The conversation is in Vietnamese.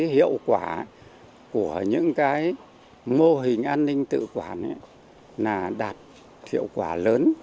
hiệu quả của những mô hình an ninh tự quản đạt hiệu quả lớn